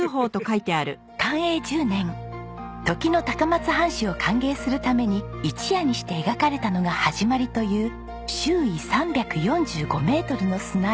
寛永１０年時の高松藩主を歓迎するために一夜にして描かれたのが始まりという周囲３４５メートルの砂絵。